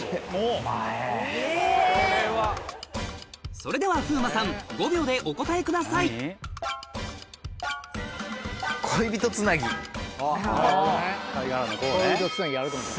それでは風磨さん５秒でお答えくださいなるほどね